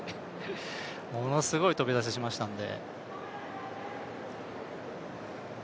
ものすごい飛び出ししましたので。